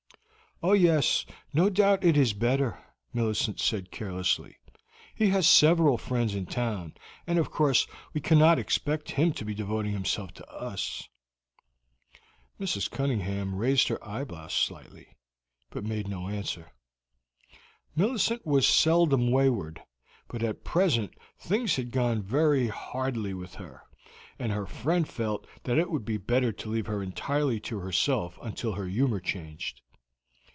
"Oh, yes; no doubt it is better," Millicent said carelessly. "He has several friends in town, and of course we cannot expect him to be devoting himself to us." Mrs. Cunningham raised her eyebrows slightly, but made no answer. Millicent was seldom wayward, but at present things had gone very hardly with her, and her friend felt that it would be better to leave her entirely to herself until her humor changed.